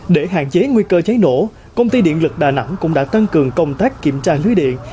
để hạn chế nguy cơ cháy nổ công ty điện lực đà nẵng cũng đã tăng cường công tác kiểm tra lưới điện